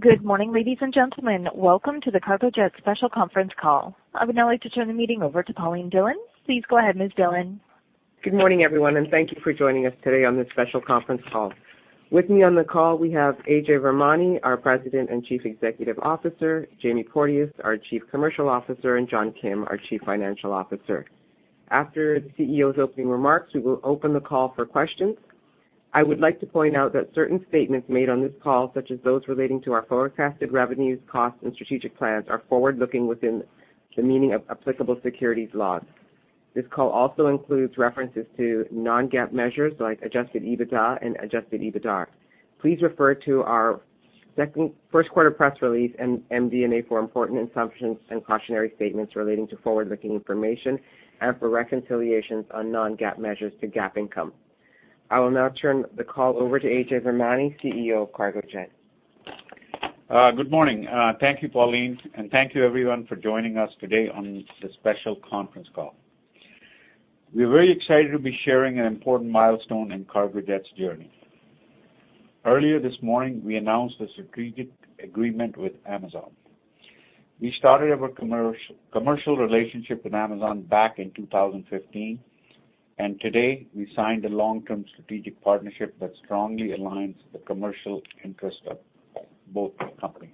Good morning, ladies and gentlemen. Welcome to the Cargojet special conference call. I would now like to turn the meeting over to Pauline Dhillon. Please go ahead, Ms. Dhillon. Good morning, everyone, and thank you for joining us today on this special conference call. With me on the call, we have Ajay Virmani, our President and Chief Executive Officer, Jamie Porteous, our Chief Commercial Officer, and John Kim, our Chief Financial Officer. After the CEO's opening remarks, we will open the call for questions. I would like to point out that certain statements made on this call, such as those relating to our forecasted revenues, costs, and strategic plans, are forward-looking within the meaning of applicable securities laws. This call also includes references to non-GAAP measures like adjusted EBITDA and adjusted EBITDAR. Please refer to our first quarter press release and MD&A for important assumptions and cautionary statements relating to forward-looking information and for reconciliations on non-GAAP measures to GAAP income. I will now turn the call over to Ajay Virmani, CEO of Cargojet. Good morning. Thank you, Pauline, and thank you everyone for joining us today on this special conference call. We're very excited to be sharing an important milestone in Cargojet's journey. Earlier this morning, we announced a strategic agreement with Amazon. We started our commercial relationship with Amazon back in 2015, and today we signed a long-term strategic partnership that strongly aligns the commercial interest of both companies.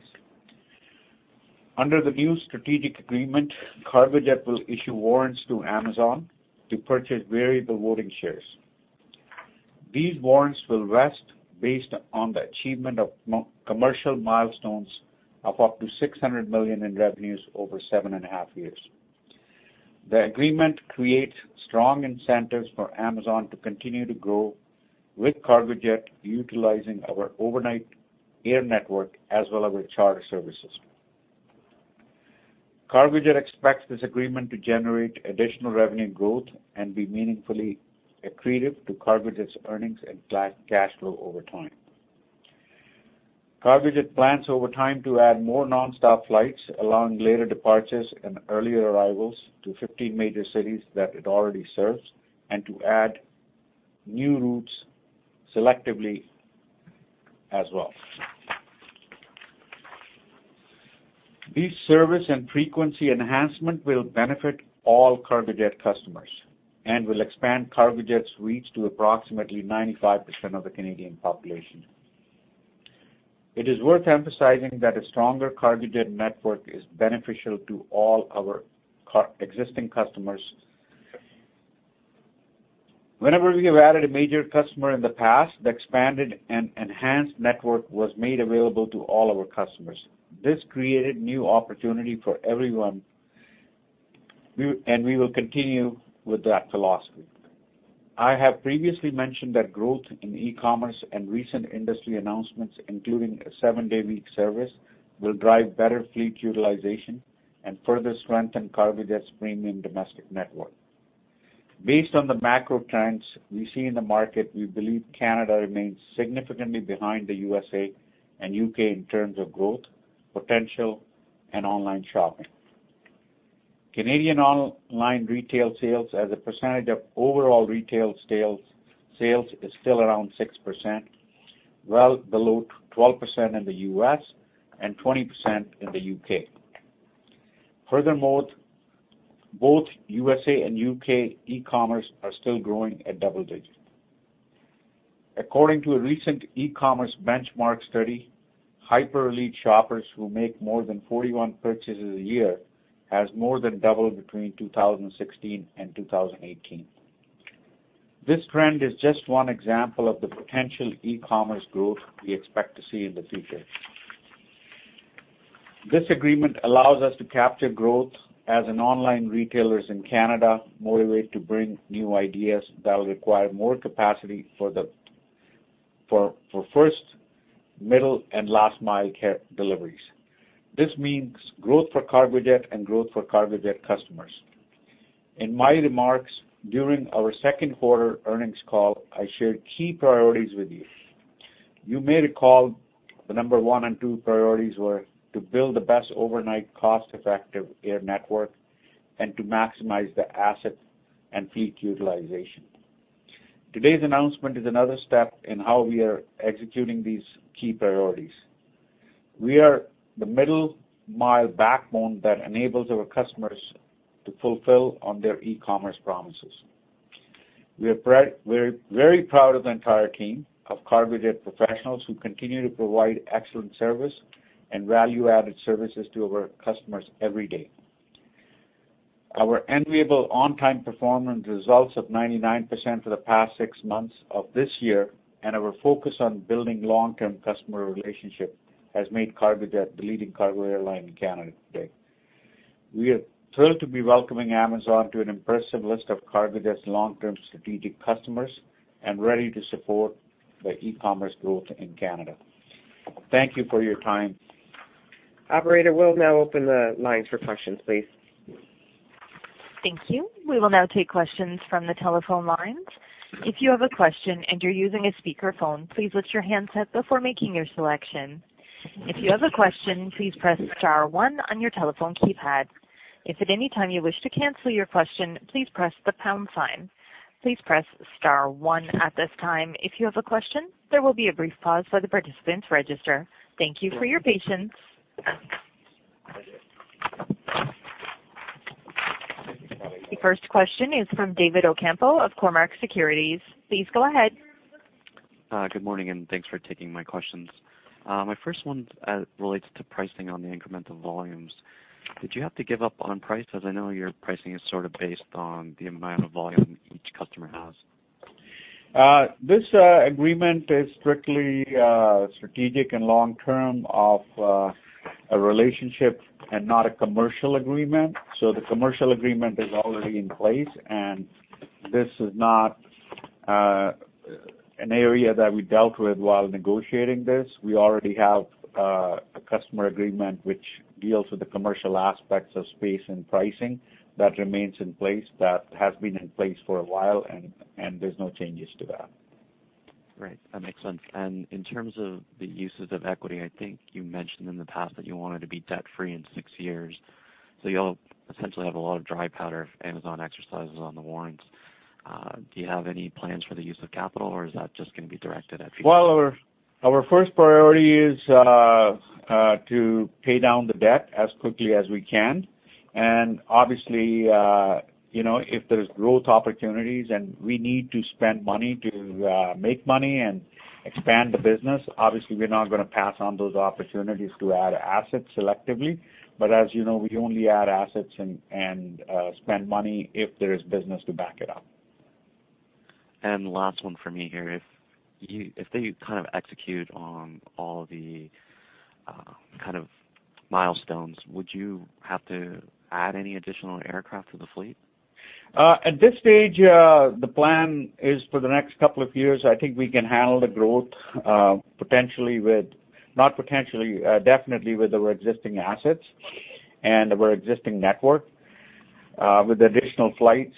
Under the new strategic agreement, Cargojet will issue warrants to Amazon to purchase variable voting shares. These warrants will rest based on the achievement of commercial milestones of up to 600 million in revenues over 7.5 years. The agreement creates strong incentives for Amazon to continue to grow with Cargojet, utilizing our overnight air network as well as our charter services. Cargojet expects this agreement to generate additional revenue growth and be meaningfully accretive to Cargojet's earnings and cash flow over time. Cargojet plans over time to add more non-stop flights, allowing later departures and earlier arrivals to 15 major cities that it already serves, and to add new routes selectively as well. These service and frequency enhancements will benefit all Cargojet customers and will expand Cargojet's reach to approximately 95% of the Canadian population. It is worth emphasizing that a stronger Cargojet network is beneficial to all our existing customers. Whenever we have added a major customer in the past, the expanded and enhanced network was made available to all our customers. This created new opportunity for everyone, and we will continue with that philosophy. I have previously mentioned that growth in e-commerce and recent industry announcements, including a seven-day-a-week service, will drive better fleet utilization and further strengthen Cargojet's premium domestic network. Based on the macro trends we see in the market, we believe Canada remains significantly behind the U.S. and U.K. in terms of growth, potential, and online shopping. Canadian online retail sales as a percentage of overall retail sales is still around 6%, well below 12% in the U.S. and 20% in the U.K. Furthermore, both U.S. and U.K. e-commerce are still growing at double digits. According to a recent e-commerce benchmark study, hyper-elite shoppers who make more than 41 purchases a year has more than doubled between 2016 and 2018. This trend is just one example of the potential e-commerce growth we expect to see in the future. This agreement allows us to capture growth as online retailers in Canada motivate to bring new ideas that will require more capacity for first, middle, and last-mile cargo deliveries. This means growth for Cargojet and growth for Cargojet customers. In my remarks during our second quarter earnings call, I shared key priorities with you. You may recall the number one and two priorities were to build the best overnight cost-effective air network and to maximize the asset and fleet utilization. Today's announcement is another step in how we are executing these key priorities. We are the middle-mile backbone that enables our customers to fulfill on their e-commerce promises. We are very proud of the entire team of Cargojet professionals who continue to provide excellent service and value-added services to our customers every day. Our enviable on-time performance results of 99% for the past six months of this year and our focus on building long-term customer relationship has made Cargojet the leading cargo airline in Canada today. We are thrilled to be welcoming Amazon to an impressive list of Cargojet's long-term strategic customers and ready to support the e-commerce growth in Canada. Thank you for your time. Operator, we'll now open the lines for questions, please. Thank you. We will now take questions from the telephone lines. If you have a question and you're using a speakerphone, please lift your handset before making your selection. If you have a question, please press star one on your telephone keypad. If at any time you wish to cancel your question, please press the pound sign. Please press star one at this time if you have a question. There will be a brief pause for the participants register. Thank you for your patience. The first question is from David Ocampo of Cormark Securities. Please go ahead. Good morning. Thanks for taking my questions. My first one relates to pricing on the incremental volumes. Did you have to give up on price? As I know, your pricing is sort of based on the amount of volume each customer has. This agreement is strictly strategic and long-term of a relationship and not a commercial agreement. The commercial agreement is already in place, and this is not an area that we dealt with while negotiating this. We already have a customer agreement which deals with the commercial aspects of space and pricing that remains in place, that has been in place for a while, and there is no changes to that. That makes sense. In terms of the uses of equity, I think you mentioned in the past that you wanted to be debt-free in six years. You'll essentially have a lot of dry powder if Amazon exercises on the warrants. Do you have any plans for the use of capital, or is that just going to be directed at future- Well, our first priority is to pay down the debt as quickly as we can. Obviously, if there's growth opportunities and we need to spend money to make money and expand the business, obviously we're not going to pass on those opportunities to add assets selectively. As you know, we only add assets and spend money if there is business to back it up. Last one from me here. If they kind of execute on all the milestones, would you have to add any additional aircraft to the fleet? At this stage, the plan is for the next couple of years, I think we can handle the growth definitely with our existing assets and our existing network with additional flights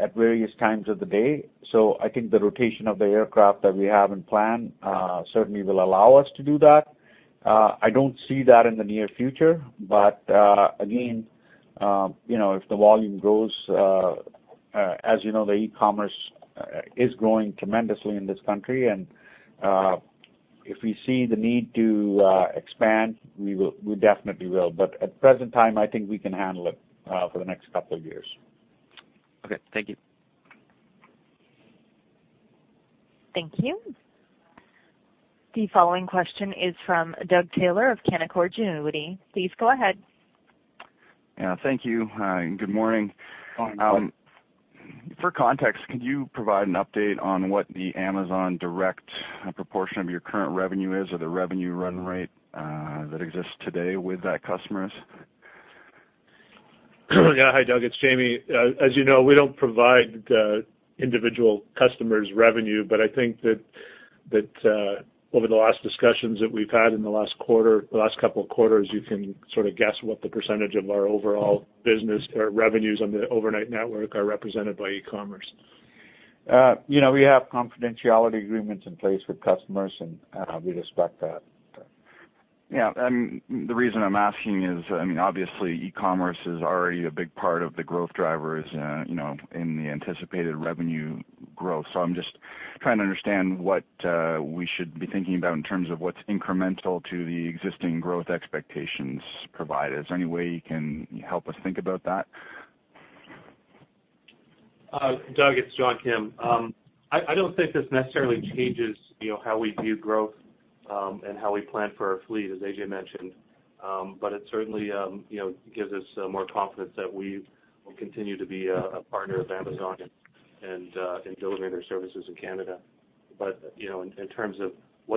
at various times of the day. I think the rotation of the aircraft that we have in plan certainly will allow us to do that. I don't see that in the near future, again, if the volume grows, as you know, the e-commerce is growing tremendously in this country, and if we see the need to expand, we definitely will. At present time, I think we can handle it for the next couple of years. Okay. Thank you. Thank you. The following question is from Doug Taylor of Canaccord Genuity. Please go ahead. Yeah. Thank you. Good morning. Morning, Doug. For context, could you provide an update on what the Amazon direct proportion of your current revenue is, or the revenue run rate that exists today with that customer is? Yeah. Hi, Doug. It's Jamie. As you know, we don't provide individual customers' revenue, but I think that over the last discussions that we've had in the last couple of quarters, you can sort of guess what the percentage of our overall business or revenues on the overnight network are represented by e-commerce. We have confidentiality agreements in place with customers, and we respect that. The reason I'm asking is, obviously e-commerce is already a big part of the growth drivers in the anticipated revenue growth. I'm just trying to understand what we should be thinking about in terms of what's incremental to the existing growth expectations provided. Is there any way you can help us think about that? Doug, it's John Kim. I don't think this necessarily changes how we view growth and how we plan for our fleet, as AJ mentioned. it certainly gives us more confidence that we will continue to be a partner of Amazon and deliver their services in Canada. in terms of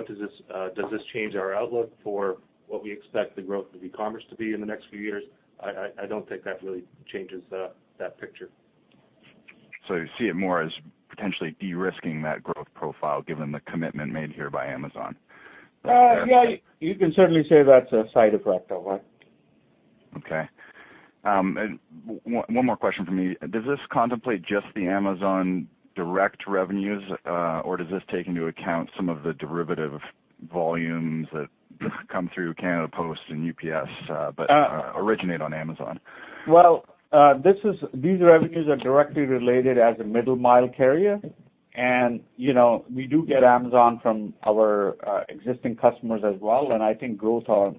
does this change our outlook for what we expect the growth of e-commerce to be in the next few years, I don't think that really changes that picture. You see it more as potentially de-risking that growth profile, given the commitment made here by Amazon? Yeah. You can certainly say that's a side effect of that. Okay. One more question from me. Does this contemplate just the Amazon direct revenues, or does this take into account some of the derivative volumes that come through Canada Post and UPS but originate on Amazon? Well, these revenues are directly related as a middle mile carrier, and we do get Amazon from our existing customers as well, and I think growth of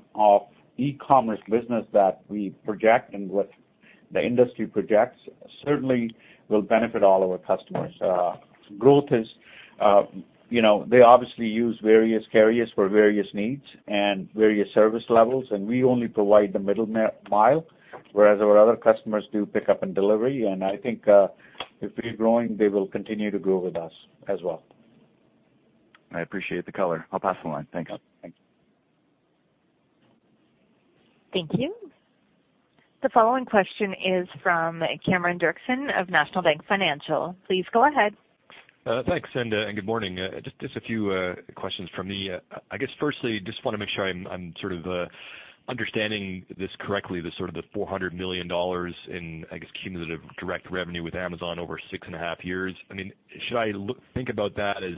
e-commerce business that we project and what the industry projects certainly will benefit all our customers. They obviously use various carriers for various needs and various service levels, and we only provide the middle mile, whereas our other customers do pickup and delivery, and I think if we're growing, they will continue to grow with us as well. I appreciate the color. I'll pass the line. Thanks. Okay. Thank you. Thank you. The following question is from Cameron Doerksen of National Bank Financial. Please go ahead. Thanks, and good morning. Just a few questions from me. I guess firstly, just want to make sure I'm sort of understanding this correctly, the sort of the 400 million dollars in, I guess, cumulative direct revenue with Amazon over 6.5 years. Should I think about that as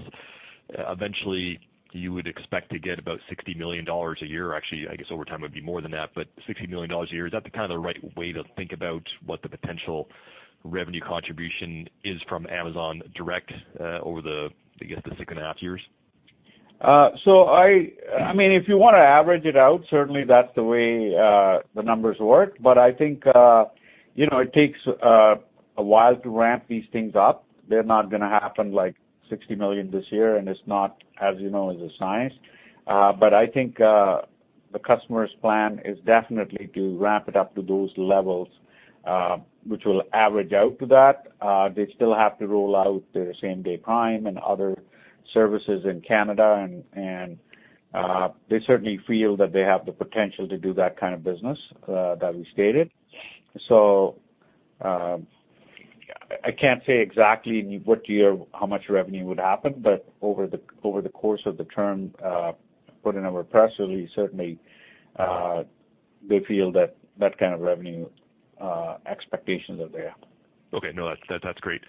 eventually, you would expect to get about 60 million dollars a year. Actually, I guess over time it would be more than that, but 60 million dollars a year. Is that the right way to think about what the potential revenue contribution is from Amazon direct over the, I guess, the 6.5 years? If you want to average it out, certainly that's the way the numbers work. I think it takes a while to ramp these things up. They're not going to happen like 60 million this year, it's not, as you know, is a science. I think the customer's plan is definitely to ramp it up to those levels, which will average out to that. They still have to roll out their same-day Prime and other services in Canada, they certainly feel that they have the potential to do that kind of business, that we stated. I can't say exactly what year, how much revenue would happen over the course of the term, put in our press release, certainly, they feel that kind of revenue expectations are there. Okay. No, that's great.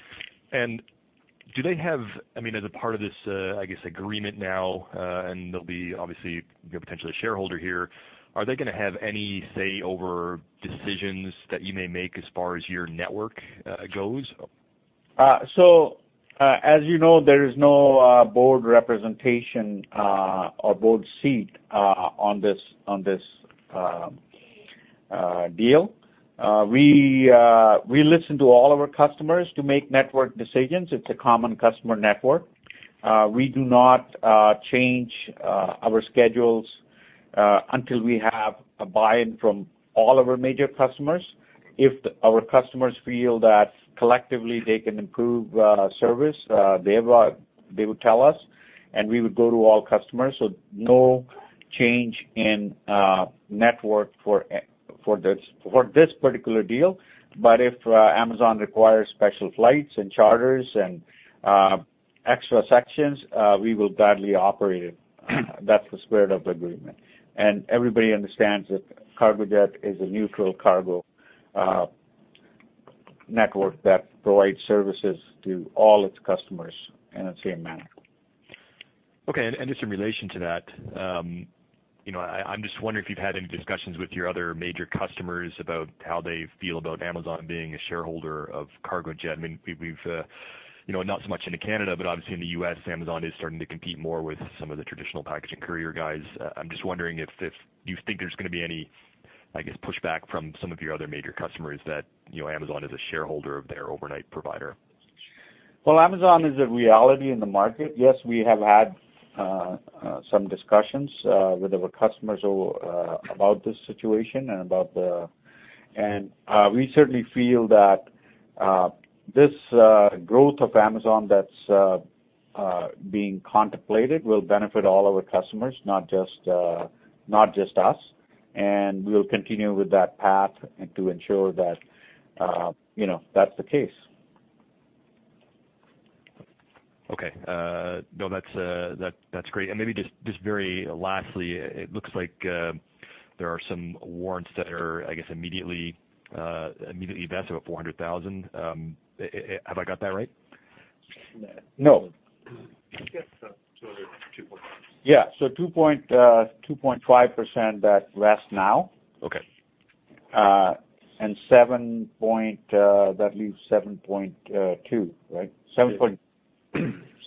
Do they have, as a part of this, I guess, agreement now, and they'll be obviously potentially a shareholder here. Are they going to have any say over decisions that you may make as far as your network goes? As you know, there is no board representation, or board seat on this deal. We listen to all of our customers to make network decisions. It's a common customer network. We do not change our schedules until we have a buy-in from all of our major customers. If our customers feel that collectively they can improve service, they would tell us, and we would go to all customers. No change in network for this particular deal. If Amazon requires special flights and charters and extra sections, we will gladly operate it. That's the spirit of the agreement, and everybody understands that Cargojet is a neutral cargo network that provides services to all its customers in the same manner. Just in relation to that, I'm just wondering if you've had any discussions with your other major customers about how they feel about Amazon being a shareholder of Cargojet. Not so much into Canada, but obviously in the U.S., Amazon is starting to compete more with some of the traditional package and courier guys. I'm just wondering if you think there's going to be any, I guess, pushback from some of your other major customers that Amazon is a shareholder of their overnight provider. Well, Amazon is a reality in the market. Yes, we have had some discussions with our customers about this situation. We certainly feel that this growth of Amazon that's being contemplated will benefit all of our customers, not just us. We'll continue with that path and to ensure that that's the case. Okay. No, that's great. Maybe just very lastly, it looks like there are some warrants that are, I guess, immediately vested with 400,000. Have I got that right? No. Yes, 2.5. Yeah. 2.5% that vest now. Okay. That leaves 7.2, right?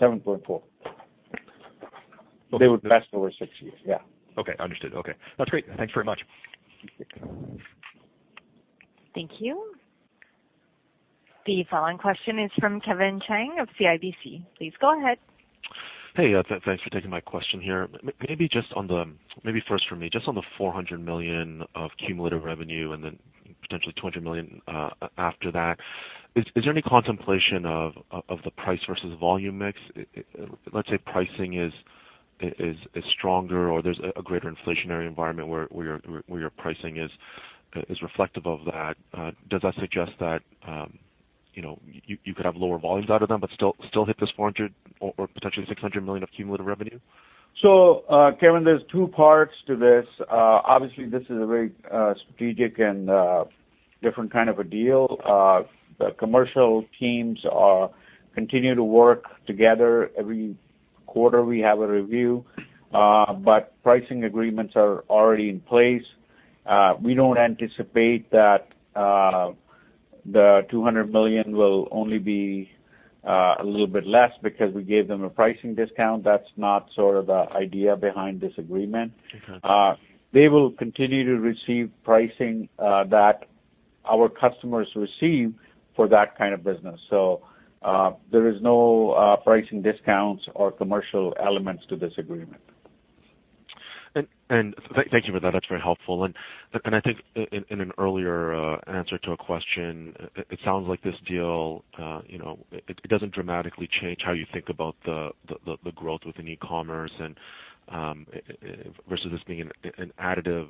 7.4. They would vest over six years. Yeah. Okay, understood. Okay, that's great. Thank you very much. Thank you. The following question is from Kevin Chiang of CIBC. Please go ahead. Hey, thanks for taking my question here. First for me, just on the 400 million of cumulative revenue and then potentially 200 million after that. Is there any contemplation of the price versus volume mix? Let's say pricing is stronger or there's a greater inflationary environment where your pricing is reflective of that. Does that suggest that you could have lower volumes out of them, but still hit this 400 million or potentially 600 million of cumulative revenue? Kevin Chiang, there's two parts to this. Obviously, this is a very strategic and different kind of a deal. The commercial teams continue to work together. Every quarter, we have a review. Pricing agreements are already in place. We don't anticipate that the 200 million will only be a little bit less because we gave them a pricing discount. That's not sort of the idea behind this agreement. Okay. They will continue to receive pricing that our customers receive for that kind of business. There is no pricing discounts or commercial elements to this agreement. Thank you for that. That's very helpful. I think in an earlier answer to a question, it sounds like this deal, it doesn't dramatically change how you think about the growth within e-commerce and versus this being an additive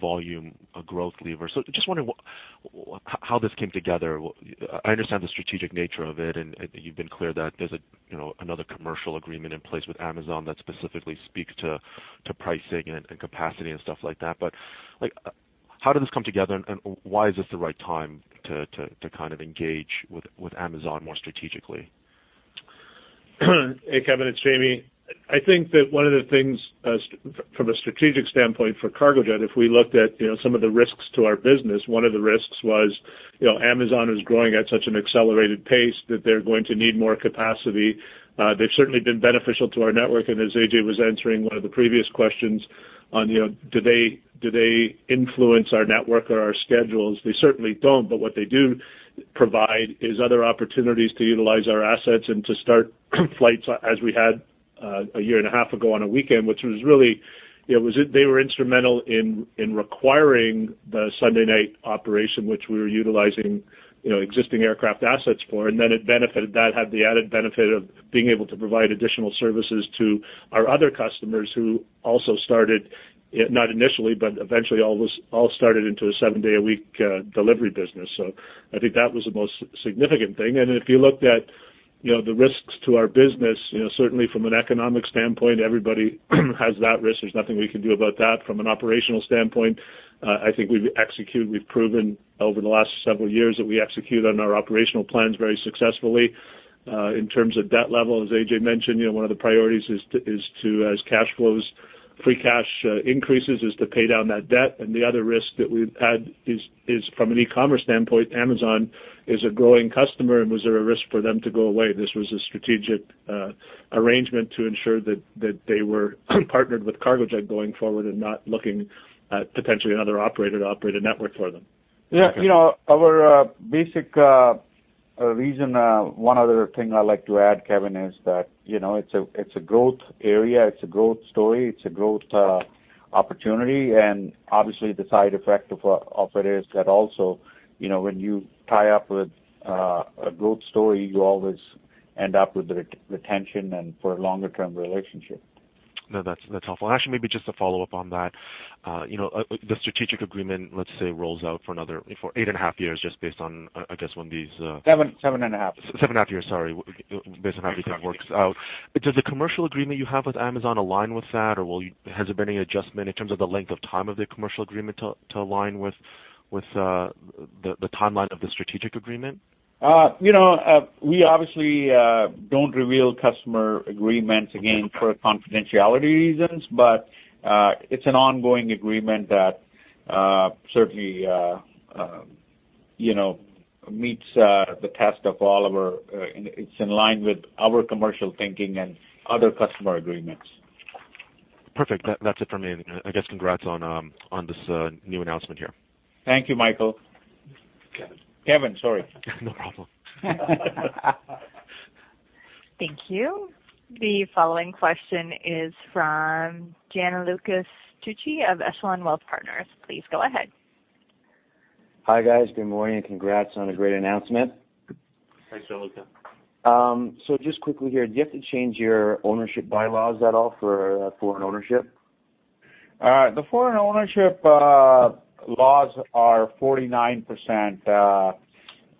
volume growth lever. Just wondering how this came together. I understand the strategic nature of it, and you've been clear that there's another commercial agreement in place with Amazon that specifically speaks to pricing and capacity and stuff like that. Like, how did this come together, and why is this the right time to engage with Amazon more strategically? Hey, Kevin. It's Jamie. I think that one of the things from a strategic standpoint for Cargojet, if we looked at some of the risks to our business, one of the risks was Amazon is growing at such an accelerated pace that they're going to need more capacity. They've certainly been beneficial to our network, and as AJ was answering one of the previous questions on do they influence our network or our schedules, they certainly don't, but what they do provide is other opportunities to utilize our assets and to start flights as we had a year and a half ago on a weekend. They were instrumental in requiring the Sunday night operation, which we were utilizing existing aircraft assets for, and then it benefited. That had the added benefit of being able to provide additional services to our other customers who also started, not initially, but eventually all started into a seven-day-a-week delivery business. I think that was the most significant thing. If you looked at the risks to our business, certainly from an economic standpoint, everybody has that risk. There's nothing we can do about that. From an operational standpoint, I think we've proven over the last several years that we execute on our operational plans very successfully. In terms of debt level, as AJ mentioned, one of the priorities is to, as free cash increases, is to pay down that debt. The other risk that we've had is from an e-commerce standpoint, Amazon is a growing customer, and was there a risk for them to go away? This was a strategic arrangement to ensure that they were partnered with Cargojet going forward and not looking at potentially another operator to operate a network for them. Yeah. Our basic reason, one other thing I'd like to add, Kevin, is that it's a growth area. It's a growth story. It's a growth opportunity. Obviously, the side effect of it is that also when you tie up with a growth story, you always end up with retention and for a longer-term relationship. No, that's helpful. Actually, maybe just to follow up on that. The strategic agreement, let's say, rolls out for eight and a half years just based on, I guess. Seven and a half. Seven and a half years, sorry, based on how the deal works out. Does the commercial agreement you have with Amazon align with that, or has there been any adjustment in terms of the length of time of the commercial agreement to align with the timeline of the strategic agreement? We obviously don't reveal customer agreements, again, for confidentiality reasons, but it's an ongoing agreement that certainly meets the test of all of our. It's in line with our commercial thinking and other customer agreements. Perfect. That's it for me. I guess congrats on this new announcement here. Thank you, Michael. Kevin. Kevin, sorry. No problem. Thank you. The following question is from Gianluca Tucci of Echelon Wealth Partners. Please go ahead. Hi, guys. Good morning, and congrats on a great announcement. Thanks, Gianluca. Just quickly here, do you have to change your ownership bylaws at all for foreign ownership? The foreign ownership laws are 49%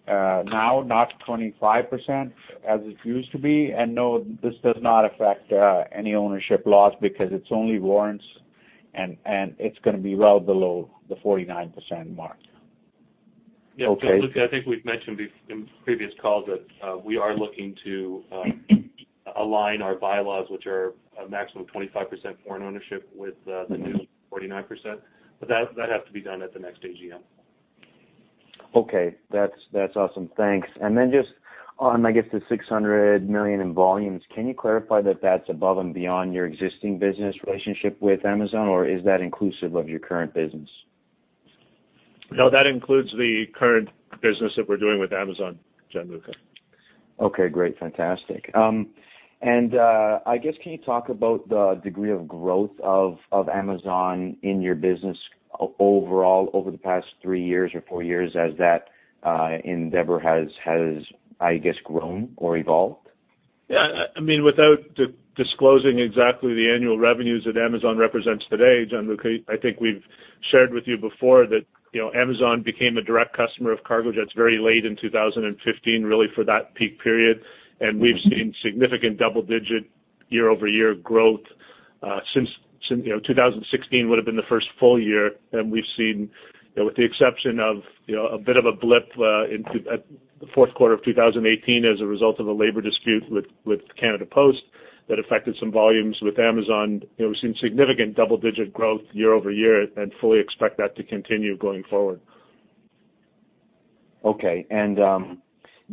now, not 25% as it used to be. No, this does not affect any ownership laws because it's only warrants, and it's going to be well below the 49% mark. Yeah. Okay. Luca, I think we've mentioned in previous calls that we are looking to align our bylaws, which are a maximum 25% foreign ownership with the new 49%, but that'd have to be done at the next AGM. Okay. That's awesome. Thanks. Then just on, I guess, the 600 million in volumes, can you clarify that that's above and beyond your existing business relationship with Amazon, or is that inclusive of your current business? No, that includes the current business that we're doing with Amazon, Gian Luca. Okay, great. Fantastic. I guess can you talk about the degree of growth of Amazon in your business overall over the past three years or four years as that endeavor has, I guess, grown or evolved? Without disclosing exactly the annual revenues that Amazon represents today, Gianluca, I think we've shared with you before that Amazon became a direct customer of Cargojet's very late in 2015, really for that peak period. We've seen significant double-digit year-over-year growth since. 2016 would've been the first full year, we've seen, with the exception of a bit of a blip at the fourth quarter of 2018 as a result of a labor dispute with Canada Post that affected some volumes with Amazon. We've seen significant double-digit growth year-over-year and fully expect that to continue going forward. Okay.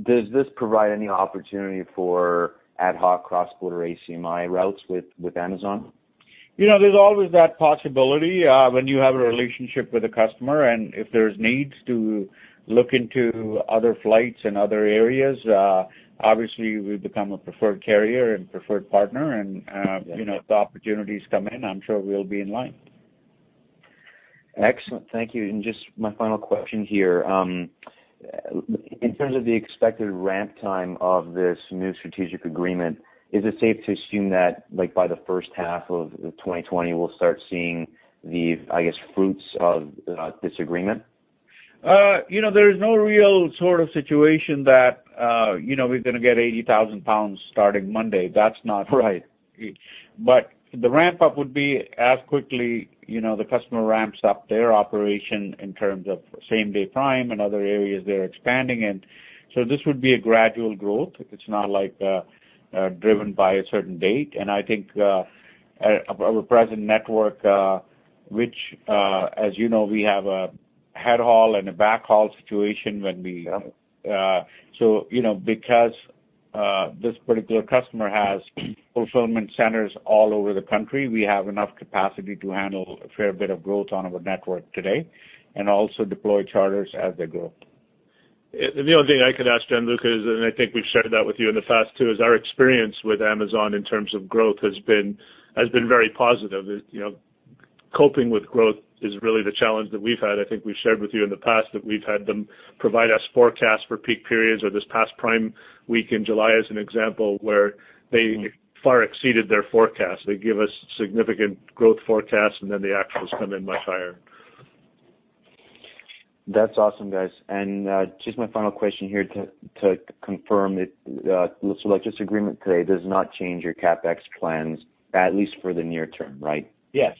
Does this provide any opportunity for ad hoc cross-border ACMI routes with Amazon? There's always that possibility when you have a relationship with a customer, and if there's needs to look into other flights in other areas, obviously we've become a preferred carrier and preferred partner, and if the opportunities come in, I'm sure we'll be in line. Excellent. Thank you. Just my final question here. In terms of the expected ramp time of this new strategic agreement, is it safe to assume that by the first half of 2020, we'll start seeing the, I guess, fruits of this agreement? There is no real situation that we're going to get 80,000 pounds starting Monday. That's not right. The ramp-up would be as quickly the customer ramps up their operation in terms of same-day Prime and other areas they're expanding in. This would be a gradual growth. It's not driven by a certain date. I think our present network, which as you know, we have a head haul and a backhaul situation. Yeah. Because this particular customer has fulfillment centers all over the country, we have enough capacity to handle a fair bit of growth on our network today, and also deploy charters as they grow. The only thing I could ask, Gianluca, I think we've shared that with you in the past too, is our experience with Amazon in terms of growth has been very positive. Coping with growth is really the challenge that we've had. I think we've shared with you in the past that we've had them provide us forecasts for peak periods or this past Prime week in July as an example, where they far exceeded their forecast. They give us significant growth forecasts, then the actuals come in much higher. That's awesome, guys. Just my final question here to confirm it, this agreement today does not change your CapEx plans, at least for the near term, right? Yes.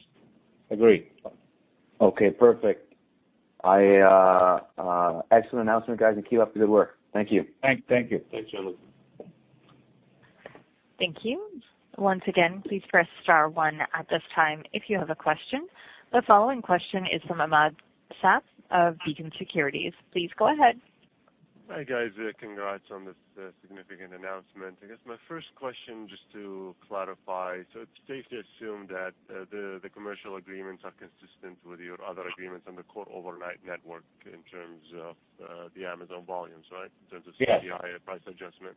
Agree. Okay, perfect. Excellent announcement, guys. Keep up the good work. Thank you. Thank you. Thanks, Gianluca. Thank you. Once again, please press star one at this time if you have a question. The following question is from Ahmad Shaath of Beacon Securities. Please go ahead. Hi, guys. Congrats on this significant announcement. I guess my first question just to clarify, it's safe to assume that the commercial agreements are consistent with your other agreements on the core overnight network in terms of the Amazon volumes, right? Yes The higher price adjustment?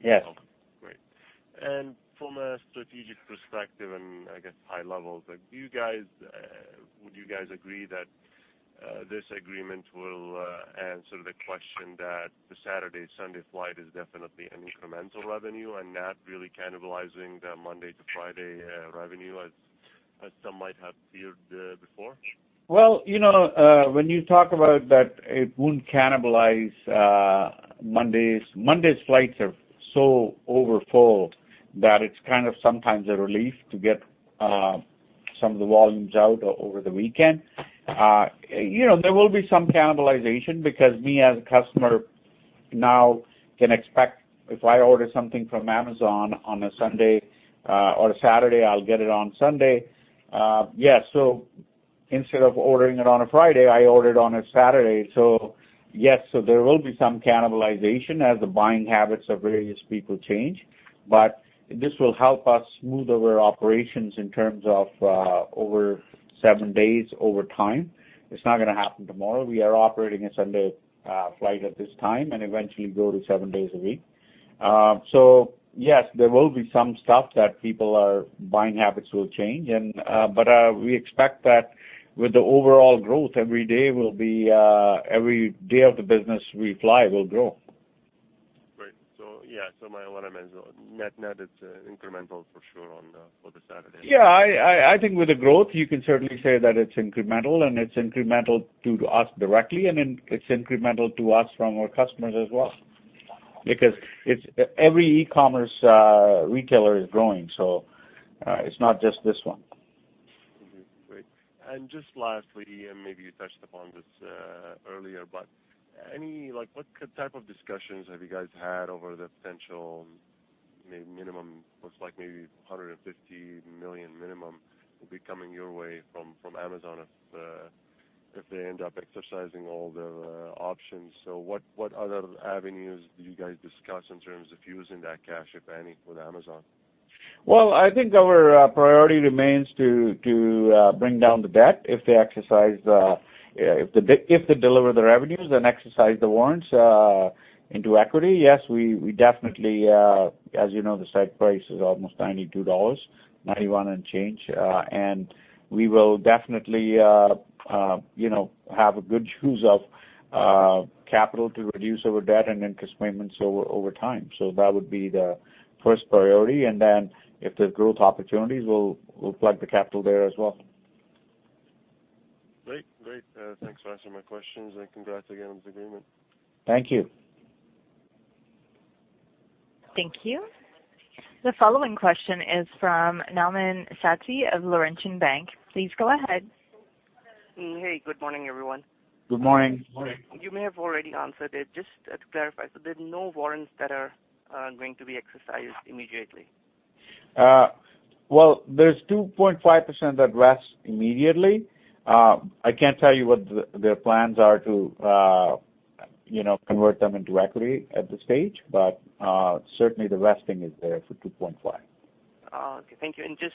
Yes. Okay, great. From a strategic perspective and I guess high level, would you guys agree that this agreement will answer the question that the Saturday-Sunday flight is definitely an incremental revenue and not really cannibalizing the Monday to Friday revenue, as some might have feared before? When you talk about that it won't cannibalize Mondays' flights are so overfull that it's kind of sometimes a relief to get some of the volumes out over the weekend. There will be some cannibalization because me as a customer now can expect if I order something from Amazon on a Sunday or a Saturday, I'll get it on Sunday. Instead of ordering it on a Friday, I order it on a Saturday. Yes, there will be some cannibalization as the buying habits of various people change, but this will help us smooth our operations in terms of over 7 days over time. It's not going to happen tomorrow. We are operating a Sunday flight at this time and eventually go to 7 days a week. Yes, there will be some stuff that people are, buying habits will change, but we expect that with the overall growth every day of the business we fly will grow. Great. yeah, so what I meant, net it's incremental for sure for the Saturday. Yeah, I think with the growth, you can certainly say that it's incremental and it's incremental to us directly, and it's incremental to us from our customers as well. Because every e-commerce retailer is growing, so it's not just this one. Mm-hmm. Great. Just lastly, and maybe you touched upon this earlier, but what type of discussions have you guys had over the potential minimum, looks like maybe 150 million minimum will be coming your way from Amazon if they end up exercising all the options. What other avenues do you guys discuss in terms of using that cash, if any, with Amazon? Well, I think our priority remains to bring down the debt. If they deliver the revenues, exercise the warrants into equity. Yes, we definitely, as you know, the set price is almost 92 dollars, 91 and change. We will definitely have a good use of capital to reduce our debt and interest payments over time. That would be the first priority. If there's growth opportunities, we'll plug the capital there as well. Great. Thanks for answering my questions and congrats again on this agreement. Thank you. Thank you. The following question is from Nauman Satti of Laurentian Bank. Please go ahead. Hey, good morning, everyone. Good morning. Morning. You may have already answered it, just to clarify, so there's no warrants that are going to be exercised immediately? Well, there's 2.5% that vests immediately. I can't tell you what their plans are to convert them into equity at this stage. Certainly the vesting is there for 2.5%. Okay, thank you. Just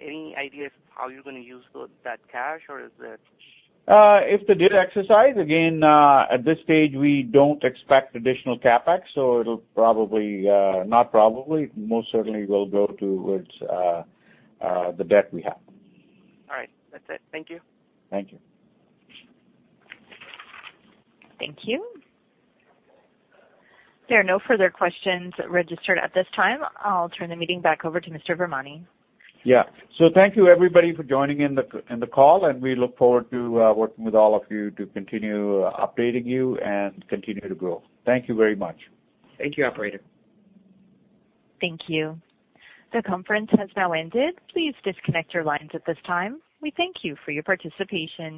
any idea of how you're going to use that cash or is it? If they did exercise, again, at this stage, we don't expect additional CapEx, so it'll probably, not probably, most certainly will go towards the debt we have. All right. That's it. Thank you. Thank you. Thank you. There are no further questions registered at this time. I'll turn the meeting back over to Mr. Virmani. Yeah. Thank you everybody for joining in the call, and we look forward to working with all of you to continue updating you and continue to grow. Thank you very much. Thank you, operator. Thank you. The conference has now ended. Please disconnect your lines at this time. We thank you for your participation.